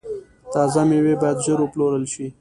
تازه میوې باید ژر وپلورل شي.